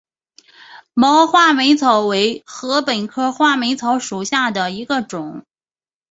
毛画眉草为禾本科画眉草属下的一个种。